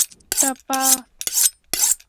ټپه